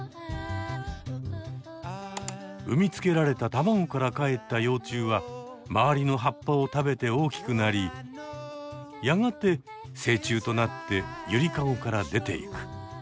産み付けられた卵からかえった幼虫は周りの葉っぱを食べて大きくなりやがて成虫となってユリカゴから出ていく。